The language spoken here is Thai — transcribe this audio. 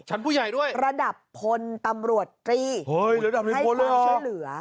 ชั้นผู้ใหญ่ด้วยระดับพลตำรวจตีให้ความช่วยเหลือ